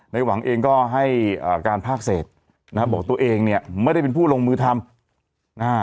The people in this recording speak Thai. ในหวังเองก็ให้การภาคเสร็จนะบอกตัวเองเนี่ยไม่ได้เป็นผู้ลงมือทำ